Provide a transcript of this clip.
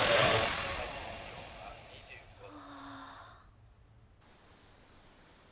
ああ。